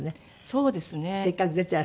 そうですね。